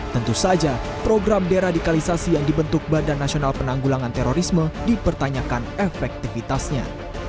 tentu saja program deradikalisasi yang dibentuk badan nasional penanggulangan terorisme dipertanyakan efektivitasnya